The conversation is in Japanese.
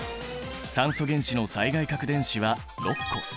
酸素原子の最外殻電子は６個。